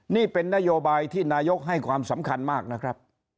นี่เป็นนโยบายที่นายกให้ความสำคัญมากนะครับ